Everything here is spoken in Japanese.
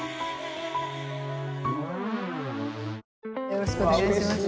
よろしくお願いします。